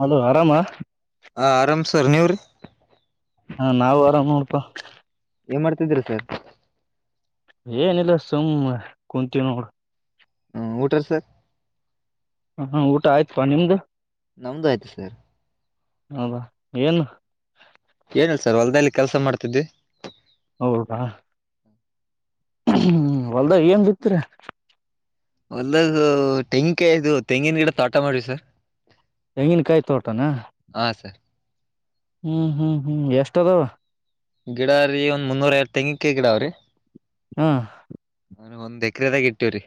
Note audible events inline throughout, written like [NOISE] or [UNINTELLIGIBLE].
Hello ಆರಾಮ ಹ ಆರಾಮ್ ಸರ್ ನೀವ ರೀ ಹಾ ನಾವು ಆರಾಮ್ ನೋಡಪ್ಪ ಏನ್ ಮಾಡ್ತಿದ್ರಿ ಸರ್ ಏನಿಲ್ಲ ಸುಮ್ಮ್ ಕುಂತೀವಿ ನೋಡ ಹ್ಮ್ ಊಟಾರ ಸರ್ ಹಾ ಊಟ ಆಯ್ತಪಾ ನಿಮ್ದು ನಮ್ದು ಆಯ್ತು ಸರ್ ಹೌದಾ ಏನು ಏನಲ್ ಸರ್ ಹೊಲ್ದಲ್ಲಿ ಕೆಲಸ ಮಾಡ್ತಿದ್ದಿ ಹೌದಾ ಹ್ಮ್ ಹೊಲ್ದ ಏನ್ ಬಿತ್ತ ರಾ ಒಂದದು ತೆಂಗಕಾಯಿ ಇದು ತೆಂಗಿನ ಗಿಡ ತೋಟ ಮಾಡಿವ ಸರ್ ಹೆಂಗಿನಕಾಯಿ ತೋಟನಾ ಹಾ ಸರ್ ಹ್ಮ್ ಹ್ಮ್ ಹ್ಮ್ ಎಷ್ಟ ಅದಾವ ಗಿಡ ರೀ ಒಂದ ಮುನ್ನೂರ ಐವತ್ ತೆಂಗಿನಕಾಯಿ ಗಿಡಾವ್ರೀ ಹ್ಮ ನ ಒಂದ್ ಎಕರೆದಾಗ ಇಟ್ಟೀವ್ರೀ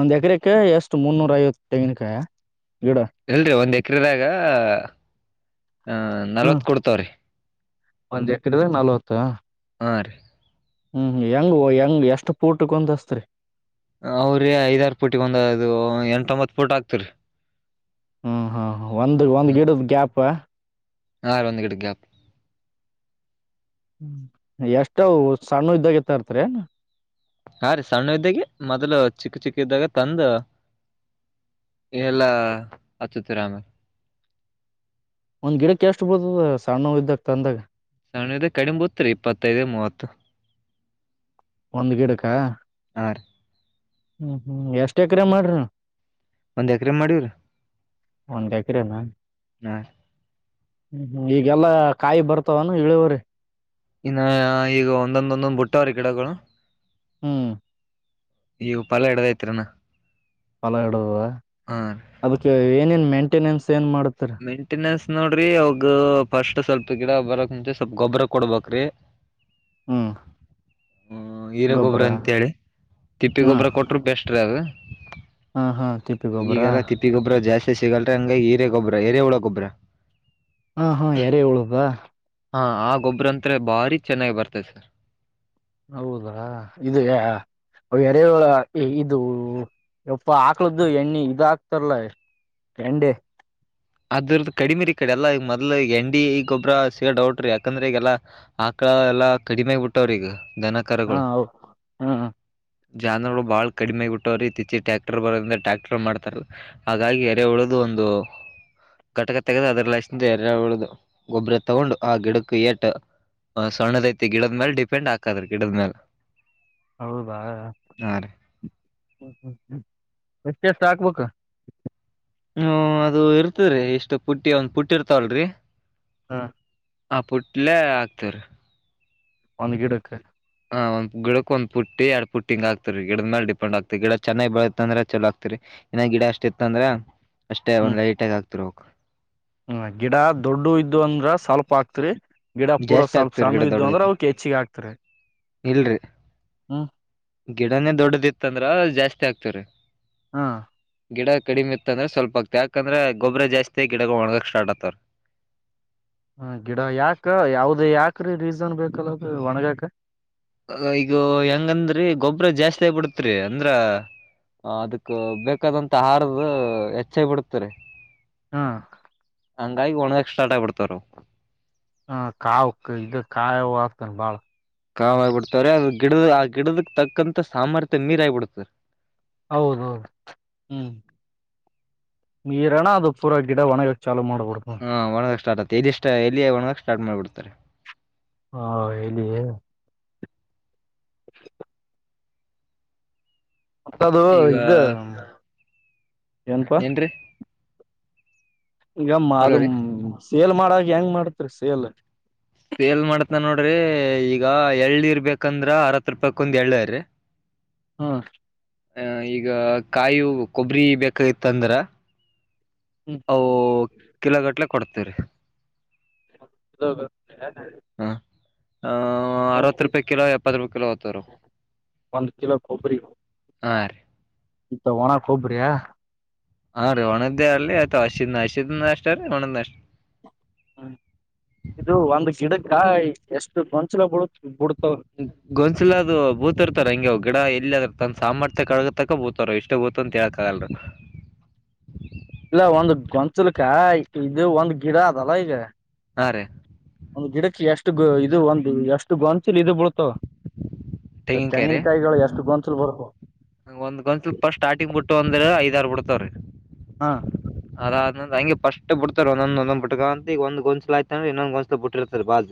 ಒಂದ್ ಎಕರೆಕ ಎಷ್ಟು ಮುನ್ನೂರ ಐವತ್ತು ತೆಂಗಿನಕಾಯ ಗಿಡಾ ಎಲ್ರಿ ಒಂದ್ ಎಕ್ರದಾಗ ಹ ಹ್ಮ್ ನಲ್ವತ್ ಕೊಡ್ತಾವ್ರೀ ಒಂದ್ ಎಕರೆದಾಗ ನಲ್ವತ್ತ ಹಾ ರೀ ಹ್ಮ್ ಹೆಂಗ ಹೆಂಗ ಎಷ್ಟು ಪೋರ್ಟ ಕೊಂದಸ್ತ್ರಿ ಅವ್ರೀ ಐದಾರು ಪುಟಿಿಗೆ ಒಂದ ಅದು ಎಂಟೊಂಬತ್ತು ಪೋಟ ಆಾಕ್ತರಿ ಹ್ಮ್ ಹಾ ಒಂದು ಒಂದು ಗಿಡದ ಗ್ಯಾಪ ಹಾ ರಿ ಒಂದ್ ಗಿಡದ ಗ್ಯಾಪ್ ಹ್ಮ ಎಷ್ಟಾವ ಸಣ್ಣ ಎತ್ತಗತೀರ ಹಾ ರೀ ಸಣ್ಣ ಇದ್ದಾಗ ಮೊದಲು ಚಿಕ್ಕ ಚಿಕ್ಕ ಇದ್ದಾಗ ತಂದು ಎಲ್ಲಾ ಅಚ್ಚತಿರಾಮೇ ಒಂದ್ ಗಿಡಕ್ಕೆ ಎಷ್ಟು ಬೀಳ್ತಾದ ಸಣ್ಣೋವು ಇದ್ದಾಗ ತಂದಾಗ ಸಣದ ಕಡಿಮೆ ಬತ್ರಿ ಇಪ್ಪತ್ತೈದು ಮೂವತ್ತು ಒಂದ್ ಗಿಡಕ ಹಾ ರೀ ಹ್ಮ ಹ್ಮ್ ಎಷ್ಟ್ ಎಕರೆ ಮಾಡ್ರಿ ಒಂದ್ ಎಕರೆ ಮಾಡಿವ್ರಿ ಒಂದ್ ಎಕ್ರೆನ ಹಾ ಹ್ಮ್ ಈಗೆಲ್ಲಾ ಕಾಯಿ ಬರ್ತಾವನು ಇಳವರಿ ಇನ್ನು ಈಗ ಒಂದೊಂದ ಒಂದೊಂದ್ ಬುಟ್ಟವ್ರೀ ಗಿಡಗಳು ಹ್ಮ್ ಈವು ಪಲಾ ಹಿಡದೈತ್ ರಿ ಇನ್ನ ಫಲ ಹಿಡದದ ಅದಕ್ಕೆ ಏನೇನ್ ಮೇಂಟೆನೆನ್ಸ್ ಏನ್ ಮಾಡತರಿ ಮೇಂಟೆನೆನ್ಸ್ ನೋಡ್ರಿ ಅವಾಗ ಫಸ್ಟ್ ಸ್ವಲ್ಪ ಗಿಡ ಬರಕ್ ಮುಂಚೆ ಸ್ವಲ್ಪ ಗೊಬ್ಬರ ಕೊಡ್ಬೇಕ್ರಿ ಹ್ಮ್ ಹ್ಮ ಹೀರ ಗೊಬ್ಬ್ರ ಗೊಬ್ಬರ ಅಂತೇಳಿ ತಿಪ್ಪಿ ಹ್ಮ ಗೊಬ್ಬರ ಕೊಟ್ಟ್ರ ಬೆಸ್ಟ್ ರೀ ಅದ ಹಾ ಹಾ ತಿಪ್ಪೇ ಗೊಬ್ಬರಾ ತಿಪ್ಪೆ ಗೊಬ್ಬ್ರ ಜಾಸ್ತಿ ಸಿಗಲ್ರ ಹಂಗಾಗಿ ಹೀರೇ ಗೊಬ್ರ ಹೆರೆೇುಹುಳ ಗೊಬ್ಬ್ರ ಹಾ ಹಾ ಏರೆ ಹುಳದ ಹಾ ಆ ಗೊಬ್ಬ್ರ ಅಂತಾರೆ ಭಾರಿ ಚೆನ್ನಾಗಿ ಬರ್ತದೆ ಸರ್ ಹೌದಾ ಇದೆಯ ಅ ಎರಳ ಇದು ಯಪ್ಪ ಹಾಕ್ಳ್ದು ಎಣ್ಣೆ ಇದ ಹಾಕ್ತಾರಲ್ಲ ಎಂಡೆ ಅದ್ರದ್ದ ಕಡಿಮೆ ರಿ ಈ ಕಡೆ ಎಲ್ಲ ಈ ಮೊದ್ಲ್ ಎಂಡಿ ಈ ಗೊಬ್ಬ್ರ ಸಿಗದ್ ಡೌಟ್ರಿ ಯಾಕಂದ್ರೆ ಈಗೆಲ್ಲಾ ಆಕಳ ಎಲ್ಲಾ ಕಡಿಮೆ ಆಾಗಬಿಟ್ಟವ್ರ ಈಗ ದನಕರಗಳು ಹಾಂ ಜಾನರುಗಳು ಬಾಳ ಕಡಿಮೆಗಿ ಬಿಟ್ಟವ್ರು ಇತ್ತೀಚೆ ಟ್ಯಾಕ್ಟರ್ ಬರೋದ್ರ ಟ್ಯಾಕ್ಟರ್ ಮಾಡ್ತಾರೆ ಹಾಗಾಗಿ ಎರೆ ಉಳದು ಒಂದು ಘಟಕ ತೆಗೆದು ಅದ್ರ ಲಷ್ಟಿಂದ ಎರಡು ಉಳ್ದು ಗೊಬ್ರ ತಗೊಂಡು ಆ ಗಿಡಕ್ಕ ಏಟ್ಟು ಸಣ್ಣದ ಐತಿ ಗಿಡದ ಮೇಲೆ ಡಿಪೆಂಡ್ ಅಕದ್ರಿ ಗಿಡದ ಮೇಲೆ ಹೌದಾ ಹಾ ರೀ ಎಷ್ಟು ಎಷ್ಟ ಹಾಕ್ಬೇಕು ಹ್ಮ ಅದು ಇರ್ತರಿ ಇಷ್ಟು ಪುಟ್ಟಿ ಒಂದ್ ಪುಟ್ಟಿ ಇರ್ತಾವಲ್ರರಿ ಹಾ ಆ ಪುಟ್ಲೆೇ ಆಕ್ತಿವ್ ರೀ ಒಂದು ಗಿಡಕ್ಕೆ ಹ ಒ ಗಿಡಕ್ ಒಂದ ಪುಟ್ಟಿ ಎರಡ್ ಪುಟ್ಟಿ ಹಿಂಗ್ ಆಗತಿವ್ರಿ ಗಿಡದ ಮೇಲ್ ಡಿಪೆಂಡ್ ಆಗ್ತಿ ಗಿಡ ಚೆನ್ನಾಗಿ ಬೆಳೆತ್ ಅಂದ್ರ ಚಲೋ ಆಕ್ತಿವ್ರಿ ಏ ಗಿಡ ಅಷ್ಟ ಇತ್ತ ಅಂದ್ರೆ ಅಷ್ಟೇ ಹ್ಮ್ ಒಂದ್ ಲೈಟ್ ಆಗ್ತಿರ್ ಬೇಕು ಹ್ಮ ಗಿಡ ದೊಡ್ಡ ಇದ್ದು ಅಂದ್ರ ಸ್ವಲ್ಪ ಅಕ್ತಿರಿ ಗಿಡ ಪೂರ ಜಾಸ್ತಿ ಸ್ವಲ್ಪ ಆಗ್ತವ್ರಿ ಸಣ್ಣ ಗಿಡ ಇದ್ದ ಅಂದ್ರೆ ದೊಡ್ಡದೈತಿ ಅವ್ ಹೆಚ್ಚಿಗೆ ಹಾಕ್ತಾರೆ ಇಲ್ರಿ ಹ್ಮ ಗಿಡನೇ ದೊಡ್ಡದ ಇತ್ತ ಅಂದ್ರ ಜಾಸ್ತಿ ಆಗ್ತವ್ರರಿ ಹಾ ಗಿಡ ಕಡಿಮ ಇತ್ತ ಅಂದ್ರ ಸ್ವಲ್ಪ ಆಗ್ತ ಯಾಕಂದ್ರ ಗೊಬ್ಬರ ಜಾಸ್ತಿ ಗಿಡಗ ಒಣಗಾಕ್ ಸ್ಟಾರ್ಟ್ ಆತವ್ ಹ ಗಿಡ ಯಾಕ ಯಾವ್ದ ಯಾಕ್ರೀ ರೀಸನ್ ಬೇಕಲ್ಲ ಒಣಗಾಕ ಈಗ ಹೆಂಗಂದ್ರಿ ಗೊಬ್ಬ್ರ ಜಾಸ್ತಿ ಆಗ್ ಬಿಡತ್ರಿ ಅಂದ್ರ ಅದಕ್ ಬೇಕಾದಂತ ಆಹಾರದ ಹೆಚ್ಚಾಗಿ ಬಿಡ್ತಾರೆ ಹಾಂ ಹಂಗಾಗಿ ಒಣಗಾಕ್ ಸ್ಟಾರ್ಟ್ ಆಗ್ ಬಿಡ್ತಾರರು ಹ ಕಾವಕ್ ಇದ ಕಾಯ ಹತನ್ ಬಾಳ ಕಾಮ್ ಆಗಿಬಿಡ್ತವ್ರೀ ಅದು ಗಿಡದ ಆ ಗಿಡದಕ್ ತಕ್ಕಂತ ಸಾಮರ್ಥ್ಯ ನೀರ್ ಆಗಿಬಿಡತರಿ ಹೌದೌದು ಹ್ಮ್ ನೀರೋಣ ಅದು ಪೂರ ಗಿಡ ಒಣಗೋಗ ಚಾ ಮಾಡ್ಬಹ್ದದು ಹಾ ಒಣ್ ಗಕ್ಕೆ ಸ್ಟಾರ್ಟ್ ಆ್ತ ಎಲ್ಲಿಷ್ಟ ಎಲ್ಲಿ ಒಣಗಕ್ಕೆ ಸ್ಟಾರ್ಟ್ ಮಾಡ್ಬಡ್ತಾರೆ ಹಾ ಹೇಳಿ ಮತ್ತದು ಈಗ ಇದ ಏನಪಾ ಏನ್ರೀ ಈಗಮ್ಮ ಹಲೋ ಅದು ರೀ ಸೇಲ್ ಮಾಡಾಗ ಹೆಂಗ್ ಮಾಡತ್ರಿ ಸೇಲ್ ಸೇಲ್ ಮಾಡತ ನೋಡ್ರಿ ಈಗ ಎಳ್ಳನಿರ್ ಇರ್ಬೇಕಂದ್ರ ಅರತ್ ರೂಪಾಯಕ್ ಒಂದ್ ಎಳ್ಳ್ರರಿ ಹಾ ಆ ಈಗ ಕಾಯು ಕೊಬ್ಬರಿ ಬೇಕಾಗಿತ್ತ ಅಂದ್ರ ಅವು ಕಿಲೋ ಗಟ್ಲೆ ಕೊಡ್ತೇವ್ರಿ [UNINTELLIGIBLE] [INAUDIBLE] ಹಾ ಹ ಅರವತ್ತು ರೂಪಾಯಿ ಕಿಲೋ ಎಪ್ಪತ್ತು ರೂಪಾಯಿ ಕಿಲೋ ಹೊತಾರ ಒಂದ್ ಕಿಲೋ ಹಾ ರೀ ಇತ್ತ ಒಣ ಕೊಬ್ರಿಯ ಹಾ ರೀ ಒಣದ್ದೇ ಅ ಆಯ್ತ ಹಸಿ ಹಸಿದ ಅಷ್ಟ ರೀ ಒಣದ್ ಅಷ್ಟ ಹ್ಮ್ ಇದು ಒಂದ್ ಗಿಡಕಾಯಿ ಎಷ್ಟು ಗೊಂಚಲ ಬಿಡ ಬಿಡ್ತವ ಗೊನ್ಸಿಲ ಅದು ಬೂತ ಇರ್ತಾರ ಹಂಗೆ ಗಿಡ ಎಲ್ಲಿ ಅದ ತಂದ ಸಾಮಥ್ಯ ಕಳಗತಕ್ಕ ಬೂತ ಇಷ್ಟ ಗೊತ್ತು ಅಂತ ಹೇಕ್ ಆಗಲ್ಲ ಇಲ್ಲ ಒಂದು ಗೊಂಚಲ್ಕ ಇದು ಒಂದ್ ಗಿಡ ಅದಲ್ಲ ಈಗ ಹಾ ರೀ ಒಂದು ಗಿಡಕ್ಕೆ ಎಷ್ಟು ಗ ಇದು ಒಂದು ಎಷ್ಟು ಗೊಂಚಲ್ ಇದು ಬಳ್ತಾವ ತೆಂಗಿನಕಾಯಿ ತೆಂಗಿನಕಾಯಿಗಳು ಎಷ್ಟು ಗೊಂಚಲ್ ಬರ್ಬೇಕ ಹಂಗ ಒಂದ ಗೊಂಚಲು ಫಸ್ಟ್ ಬಿಟ್ಟು ಒಂದ್ರ ಐದಾರ್ರು ಬಿಡ್ತವ್ರೀ ಹಾ ಅರಂದ ಹಂಗೆ ಪಸ್ಟ್ ಬಿಡ್ತಾರೆ ಒಂದೊ ಬಿಟ್ಕ ಅಂತ ಈಗ ಒಂದು ಗೊಂದಸಲ ಆಯ್ತಂದ್ರ ಇನ್ನೊ ಗಸಲು ಬಿಟ್ಟಿರ್ತಾರೆ ಬಾಲ್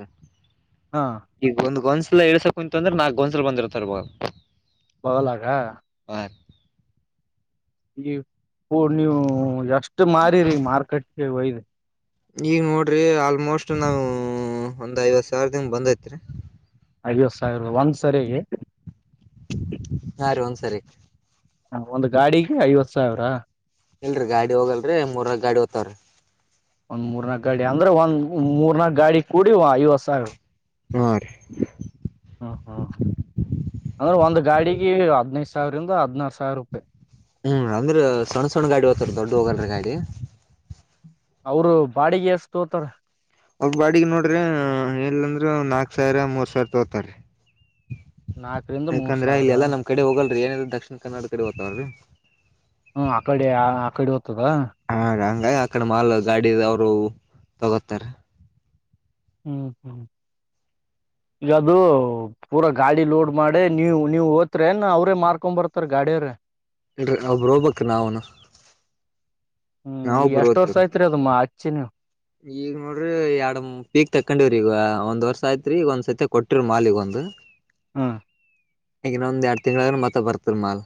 ಹಾ ಈಗ ಒಂದ್ ಗೊಂಚಲು ಎಳ್ಸಕಕ್ ಕುಂತಂದ್ರೆ ನಾಕ್ ಗೊಂಚಲು ಬಂದಿರ್ತಾರ ಬಾಗ ಬದಲಾಗ ಹ ಈ ಹ ನೀವು ಎಷ್ಟು ಮಾರಿರಿ ಮಾರ್ಕೆಟ್ಗೆ ಒಯ್ದ ಈಗ್ ನೋಡ್ರಿ ಆಲ್ಮೋಸ್ಟ್ ನಾವು ಒಂದ್ ಐವತ್ ಸಾವಿರದಂಗ ಬಂದೈತ್ರಿ ಐವತ್ತು ಸಾವಿರ ಒಂದ್ ಸರಿಗೆ ಹಾ ರೀ ಒಂದ್ಸರಿ ಹ ಒಂದ್ ಗಾಡಿಗೆ ಐವತ್ ಸಾವಿರ ಇಲ್ರಿ ಗಾಡಿ ಹೋಗಲ್ರಿ ಮೂರ್ನಾಲ್ಕು ಗಾಡಿ ಹೋತಾವ್ರಿ ಒಂದ್ ಮೂರ್ನಾಲ್ಕು ಗಾಡಿ ಅಂದ್ರೆ ಒಂದ್ ಮೂರ್ನಾಕ್ ಗಾಡಿ ಕೂಡಿ ಐವತ್ ಸಾವಿರ ಹಾ ರೀ ಹ ಹಾ ಹಾ ಅಂದ್ರೆ ಒಂದ್ ಗಾಡಿಗೆ ಹದಿನೈದು ಸಾವಿರಿಂದ ಹದ್ನಾರು ಸಾವಿರ ರೂಪಾಯಿ ಹ್ಮ್ ಅಂದ್ರೆ ಸಣ್ಣ ಸಣ್ಣ ಗಾಡಿ ಹೋಗ್ತ ದೊಡ್ಡ ಹೋಗಲ್ರರಿ ಗಾಡಿ ಅವರು ಬಾಡಿಗೆ ಎಷ್ಟ ತೋತಾರ ಒಂದ ಬಾಡಿಗೆ ನೋಡ್ರಿ ಎಲ್ಲ ಅಂದ್ರ ನಾಕ್ ಸಾವಿರ ಮೂರ್ ಸಾವಿರ ತಗೋತಾರ ನಾಕರಿಂದ ಮೂರ್ ಯಾಕಂದ್ರ ಸಾವಿರ ಇಲ್ಲ ಎಲ್ಲಾ ನಮ್ ಕಡೆ ಹೋಗಲ್ರಿ ಏನಿದ್ರ ದಕ್ಷಿಣ ಕನ್ನಡ ಕಡೆ ಹೋಗ್ತವಲ್ ರೀ ಹ್ಮ ಆ ಕಡೆ ಆ ಆ ಕಡೆ ಹೋದ್ತದ ಹ ಹಂಗ ಆಕಡೆ ಮಾಲ್ ಗಾಡಿ ಅವರು ತಗೋತಾರೆ ಹ್ಮ್ ಹ್ಮ್ ಇಲ್ಲಾ ಬ್ರೋ ಪೂರಾ ಗಾಡಿ ಲೋಡ್ ಮಾಡಿ ನೀವು ನೀವ್ ಓತರೇನ್ ಅವ್ರೇ ಮಾರ್ಕೊ ಬರ್ತಾರ ಗಾಡಿಯರ ಒಬ್ಬ್ರೊಬ್ಬಕ್ ನಾವುನು ಹ್ಮ್ ನಾವ್ ಈ ಒಬ್ರು ಎಷ್ಟ್ ವರ್ಷ ಹೋಗ್ತಿವ್ರಿ ಆಯಐತ್ರಿ ಅದು ಅಚ್ಚಿ ನೀವು ಈಗ ನೋಡ್ರಿ ಎರಡ ಪೀಕ್ ತಕೊಂಡಿವ್ರಿ ಈಗ ಒಂದ್ ವರ್ಷ ಆಯ್ತ್ರಿ ಈಗ ಒಂದ್ ಸತಿ ಕೊಟ್ಟಿರ ಮಾಲ್ ಈಗ ಒಂದು ಹಾಂ ಈಗನ್ನ ಒಂದ ಎರಡು ತಿಂಳಗ ಮತ್ತ ಬರ್ತರ್ ಮಾಲ್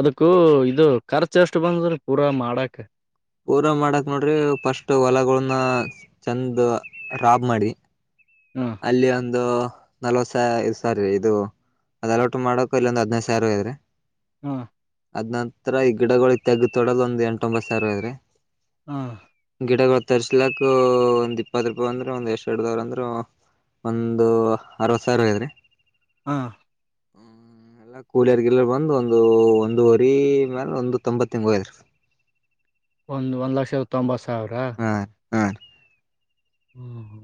ಅದಕ್ಕೂ ಇದು ಖರ್ಚು ಎಷ್ಟು ಬಂದ್ರಿ ಪೂರಾ ಮಾಡಕ್ ಪೂರಾ ಮಾಡಕ್ ನೋಡ್ರಿ ಫಸ್ಟ್ ಹೊಲಗಳನ್ನ ಚೆಂದ ರಾಬ್ ಮಾಡಿ ಹಾಂ ಅಲ್ಲಿ ಒಂದು ನಲ್ವತ್ ಸ ಸಾರಿ ಇದು ಅದ ಅಲೋಟ್ ಮಾಡಕ್ ಇಲ್ಲಿ ಒಂದ್ ಹದಿನೈ ಸಾವರ ಹೋಗದ್ರರಿ ಹಾ ಅದ್ ನಂತರ ಈ ಗಿಡಗಳ ತೆಗ ತೊಡೋದ ಒಂದ್ ಎಂಟ ಒಂಬತ್ತು ಸಾವಿರ ಹೋಗದ್ರೀ ಹಾ ಗಿಡಗಳು ತರ್ರಿಸಲಕ್ ಒಂದ್ ಇಪ್ಪತ್ತು ರೂಪಾಯಿ ಅಂದ್ರೆಂದ ಎಷ್ಟ್ ಎರಡ ದಾವರ ಅಂದ್ರೆ ಒಂದು ಅರವತ್ ಸಾವಿರ ಹೋಗದ್ರಿ ಹಾಂ ಹ್ಮ ಎಲ್ಲ ಕೂಲಿಯರ್ಗಲ್ಲ ಬಂದ ಒಂದು ಒಂದುವರಿ ಮ್ಯಾಲ ಒಂದು ತೊಂಬತ್ಂಗ್ ಹೋಗದರೀ ಒಂದು ಒಂದು ಲಕ್ಷದ ತೊಂಬತ್ತು ಸಾವಿರ ಹಾರಿ ಹಾರಿ ಹ್ಮ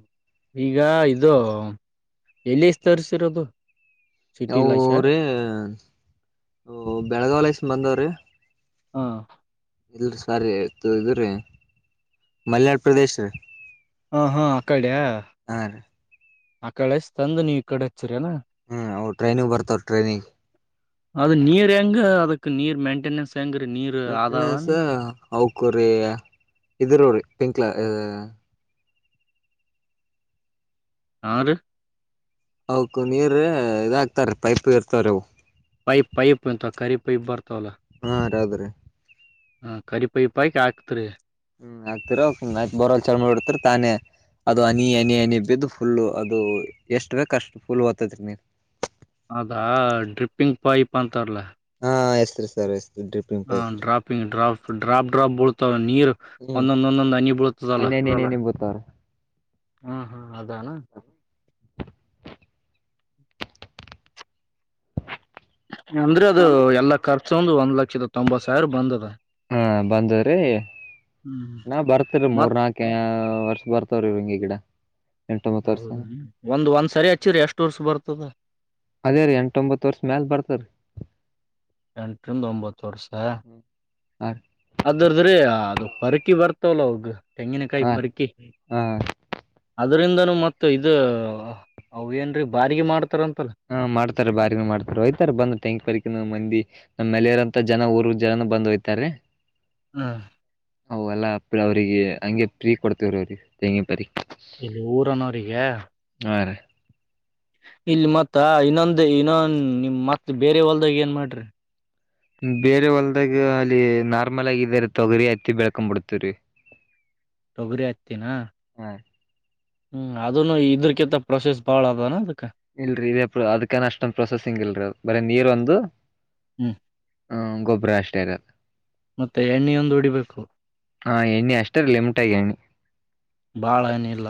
ಈಗ ಇದು ಎಲ್ಲಿಷ್ಟ ತರಿಸಿರೋದು ಯವುರೀ ಬೆಳಗಾವಳಸ್ ಬಂದವ್ರೀ ಹಾ ಇಲ್ ಸಾರಿ ಇ್ರ ಮಲ್ಯನಾಡ ಪ್ರದೇಶ ಹ ಹಾ ಆ ಕಡೆ ಹಾ ರೀ ಆ ಕಡೆ ಅಷ್ಟ ತಂದು ನೀವ್ ಈ ಕಡೆ ಹಚ್ಚರಿ ಅನಾ ಹ್ಮ್ ಅವರ ಟ್ರೈನಿಗಿ ಬರ್ತವ ಟ್ರೈನಿಗಿ ಅದ ನೀರ್ ಹೆಂಗ ಅದಕ್ ನೀರ್ ಮೇಂಟೆನೆನ್ಸ್ ಹೆಂಗ ರೀ ನೀರ್ ಆದಾವ ನಿಮ ಅವ ಔಕ್ರೀ ಇದಿರ ರೀ ಪಿಂಕ್ಲ ಹಾರಿ ಅಕು ನೀರ್ ಇದಾಗಕ್ತಾರ ಪೈಪ್ ಇರ್ತಾರ ಅವು ಪೈಪ್ ಪೈಪ್ ಎಂತ ಖರಿ ಪೈಪ್ ಬರ್ತಾವಲ್ಲ ಹಾ [UNINTELLIGIBLE] ಹಾ, ಕರಿ ಪೈಪ್ ಹಾಕಿ ಹಾಕುತ್ತೀರಿ. ಹ್ಮ್ ಹ ಆಗ್ತೀರ ಬೋರವೆಲ್ ಚೋಲ ಮಾಡಿಬಿಡ್ತಿರಿ ತಾನೇ ಅದು ಹನಿ, ಹನಿ, ಹನಿ ಹನಿ ಬಿದ್ದು ಫುಲ್ ಅದು ಎಷ್ಟು ಬೇಕ ಅಷ್ಟು ಫುಲ್ ಒತ್ತೈತಿರಿನೀರ್ ಅದಾ ಡ್ರಿಪ್ಪಿಂಗ್ ಪೈಪ್ ಅಂತಾರಲ್ಲ ಹಾ [UNINTELLIGIBLE] [INAUDIBLE] ಹಾ, ಪೈಪ್ ರೀ ಡ್ರಾಪಿಂಗ್ ಡ್ರಾಪ್, ಡ್ರಾಪ್ ಡ್ರಾಪ್ ಬಿಳತದ ನೀರು ಒಂದೊಂದ ಒಂದೊಂದಂದು ಹನಿ ಬೀಳತದಲ್ಲ. ನಿನೇಬುತರ [UNINTELLIGIBLE] ಹ್ಮ, ಹಾ ಅದಲ್ಲಾ ಅಂದ್ರೆ ಅದು ಎಲ್ಲಾ ಖರ್ಚ ಒಂದು ಒಂದ್ ಲಕ್ಷದ ತೊಂಬತ್ ಸಾವಿರ ಬಂದದ. ಹಾ, ಹ್ಮ್ ಬಂದದಾರಿಇನ್ನಾ ಬರ್ತರಿ ಮತ್ ಮೂರ್ನಾಲ್ಕು ಏ ವರ್ಷ ಬರ್ತಾವ್ರಿ [UNINTELLIGIBLE] ಗಿಡ ಎಂಟೊಂಬತ್ತು ವರ್ಷ ಹೌದ, ಒಂದ್ ಒಂದ ಸರಿ ಹಚ್ಚಿರ ಎಷ್ಟ್ ವರ್ಷ ಬರ್ತದ. ಅದೇ ರೀ ಎಂಟೊಂಬತ್ತು ವರ್ಷ ಮ್ಯಾಲ ಬರ್ತಾದ. ಎಂಟರಿಂದ ಒಂಬತ್ತು ವರ್ಷ ಹ್ಮ್. ಹಾ ಅದರದ್ರೀ ಅದು ಪರಕಿ ಬರ್ತವಲ್ಲ ಅದು ತೆಂಗಿನಕಾಯಿ ಹಾ ಪರಿಕಿ. ಹಾ ಅದರಿಂದನೂ ಮತ್ತ ಇದ ಅವ ಏನ್ರೀ ಬಾರಿಗೆ ಮಾಡ್ತಾರಂತಲ್ಲ. ಹಾ, ಮಾಡ್ತಾರಿ ಬಾರಿಗಿನ ಮಾಡ್ತಾರೆ. ಹೋಯ್ತಾರೆ ಬಂದು ತೆಂಗಿನ ಪರಿಕಿನು ಮಂದಿ. ನಮ್ಮಲ್ಲಿರೋಂತ ಜನ ಊರು ಜನ ಬಂದ ಒಯ್ತಾರಿ. ಹ್ಮ [INAUDIBLE] ಹ [UNINTELLIGIBLE] ಎಲ್ಲ ಅವ್ರಿಗೆ ಹಂಗೆ ಫ್ರೀ ಕೊಡ್ತೇವ್ರ ಅವ್ರಿಗೆ ತೆಂಗಿನ ಪರಿಕಿ. ಇಲ್ಲಿ ಊರನೋರಿಗ್ಯಾ ಹಾ, ರೀ ಇಲ್ಲಿ ಮತ್ತ ಇನ್ನೊಂದ ಇನ್ನೊಂದ ನಿಮ್ ಮತ್ ಬೇರೆ ಹೊಲ್ದಾಗ ಏನ್ ಮಾಡ್ರಿ ಬೇರೆ ಹೊಲ್ದಾಗ ಅಲ್ಲಿ ನಾರ್ಮಲ್ ಆಗಿದೆರಿ ತೊಗರಿ ಹತ್ತಿ ಬೆಳ್ಕೊಂ ಬಿಡ್ತೇವ್ರೀ. ತೊಗರಿ, ಹತ್ತಿನಾ ಹಾ [INAUDIBLE] ಹ್ಮ್, ಅದನು ಇದ್ರಕಿಂತ ಪ್ರೊಸೆಸ್ ಭಾಳ ಅದಾನ ಅದಕ್ಕ ಇಲ್ರರಿ ಇ ಅದಕೇನ ಅಷ್ಟೊಂದು ಪ್ರೊಸೆಸಿಂಗ್ ಇಲ್ರಿ ಅದಕಬರೀ ನೀರ್ ಒಂದು ಹ್ಮ್, ಹಾ, ಗೊಬ್ಬರ ಅಷ್ಟೇ ಇದೆ. ಮತ್ತೆ ಎಣ್ಣೆಯೊಂದು ಒಡಿಬೇಕು. ಹಾ, ಎಣ್ಣಿ ಅಷ್ಟೆ ಲಿಮಿಟ್ ಆಗಿ. ಎಣ್ಣಿ ಬಾಳ ಏನಿಲ್ಲ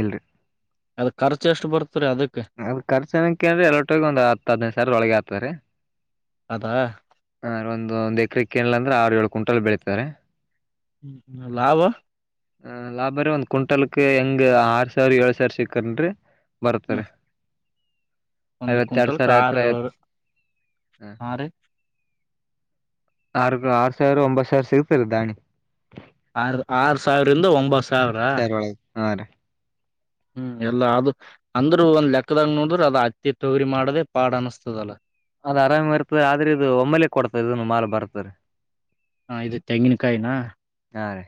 ಇಲ್ಲರಿ [INAUDIBLE] ಅದ್ ಖರ್ಚು ಎಷ್ಟ್ ಬರ್ತರಿ ಅದಕ್ಕ ಅದ್ ಖರ್ಚು ಅನ್ನೋಕೆ ಏನ್ರೀ ಎಲ್ಲೋಟ್ಟೋಗಿ, ಒಂದ ಹತ್ತು ಹದಿನೈದು ಸಾವಿರ ಒಳಗೆ ಆಗುತ್ತೇ ರಿ. ಅದಾ [INAUDIBLE] ಹಾ, ಒಂದ ಎಕರಕ ಏನಿಲ್ಲಾ ಅಂದ್ರೆ ಆರು ಏಳ್ ಕುಂಟಲ್ ಬೆಳತಾದರಿ. ಹ್ಮ್್ಮ ಲಾಭ [UNINTELLIGIBLE] ಲಾಭ ರೀ ಒಂದ್ ಕ್ವಿಂಟಲ್ಕ್ ಹೆಂಗ ಆರ್ ಸಾವಿರ ಏಳ್ ಸಾವಿರ ಸಿಕ್ಕನ್ರಿ ಬರ್ತರಿ. ಒಂದು ಕು್ಂಟಲ್ಕ ಹತ್ರ ಆರು ಏಳು ಐವತ್ ಆರ್, ಆರ್ ಸಾವಿರ ಒಂಬತ್ತು ಸಾವಿರ ಸಿಗ್ತದರಿ ದಾಣಿ. ಆರ್, ಆರು ಸಾವಿರಿಂದ ಒಂಬತ್ತು ಸಾವಿರ ಸರಿ ಒಳಗೆ ಹಾ, ರಿ ಹ್ಮ್ ಎಲ್ಲಾ ಅದು ಅಂದ್ರರು ಒಂದ್ ಲೆಕ್ಕದಾಗ ನೋಡ್ರ ಅ ಹತ್ತಿ ತೊಗರಿ ಮಾಡದೇ ಪಾಡ್ ಅನಸ್ತದಲ್ಲ ಅದ ಆರಾಮ್ ಇರ್ತದೆ ಆದ್ರೆ ಇದು ಒಮ್ಮಲೆ ಕೊಡ್ತದೆ ಇದನ್ ಮಾಲ್ ಬರ್ತದ ಹಾ ಇದು ತೆಂಗಿನಕಾಯಿನ ಹಾ ರೀ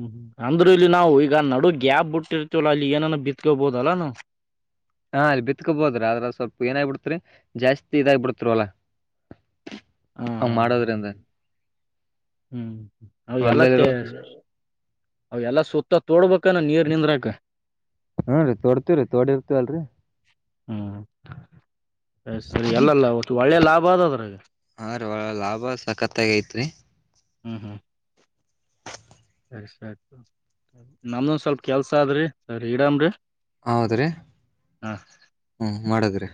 ಹ್ಮ್ ಅಂದ್ರರು ಇಲ್ಲಿ ನಾವು ಈಗ ನಡುಗ್ ಗ್ಯಾಪ್ ಬಿಟ್ಟಿರ್ತತಿವಲ್ಲ ಅಲ್ಲಿ ಏನನ ಬಿತ್ಕೊಬೋದಲ್ಲಾ ನಾವು ಹಾ ಅಲ್ಲಿ ಬಿತ್ಕೋಬೋದ್ರ ಆದ್ರ ಸ್ವಲ್ಪ ಏನಾಗ್ಬ ಬಿಡ್ತ್ರಿ ಜಾಸ್ತಿ ಇದಾಗ್ ಬಿಡ್ತತ ಹೋಲ್ಲಾ ಹ ಹಂಗ ಮಾಡೋದರಿಂದ ಹ್ಮ್ ನ ಎಲ್ಲ ಹೊಲ್ದಲ್ಲಿ ತ್ತ ಇರೋ ಅವ ಎಲ್ಲ ಸುತ್ತ ತೋಡ್ಬೇಕಲ್ನ ನೀರ್ ನಿಂದ್ರಕ ಹ್ಮನ್ ರೀ ತೋಡ್ತೀ ರೀ ತೋಡಿ ಇರ್ತವಲ್ರಿ ಹ್ಮ್ ಅ ಸರಿ ಅಲ್ಲಲ್ಲತ್ತು ಒಳ್ಳೆ ಲಾಭ ಅದ ಅದ್ರಿ ಹಾ ರೀ ಲಾಭ ಸಖತ್ತಾಗಿ ಐತ್ರಿ ಹ್ಮ್ ಹ್ಮ್ ಸರಿ ಸರಿ ನಮ್ದ ಒಂದ ಸ್ವಲ್ಪ ಕೆಲ್ಸ ಆದ್ರಿ ಸರಿ ಇಡಾಮ್ರರಿ ಹೌದ್ರೀ ಹ್ಞೂ ಮಡಗ ರೀ